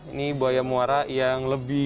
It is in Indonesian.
ini buaya muara yang lebih